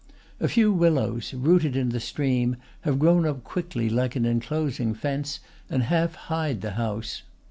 A few willows, rooted in the stream, have grown up quickly like an enclosing fence, and half hide the house.